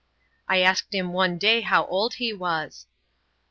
I asked him one day how old he was.